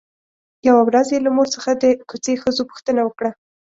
يوه ورځ يې له مور څخه د کوڅې ښځو پوښتنه وکړه.